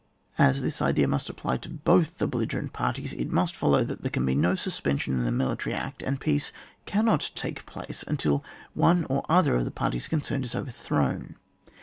As this idea must apply to both the belligerent parties, it must follow, that there can be no suspension in the Military Act, and peace cannot take place until one or other of the parties concerned is overthrown.